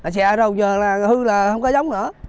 sẽ ra rồi giờ là hư là không có giống nữa